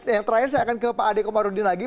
yang terakhir saya akan ke pak ade komarudin lagi